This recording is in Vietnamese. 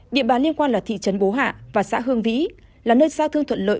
địa bàn liên quan là thị trấn bố hạ và xã hương vĩ là nơi giao thương thuận lợi